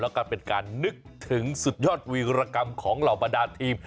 แล้วก็เป็นการนึกถึงสุดยอดวีรกรรมของเหล่าบรรดาทีม